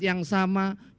kepentingan sholat yang sama